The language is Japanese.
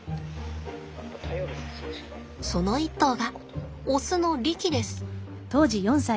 その一頭がオスのリキです。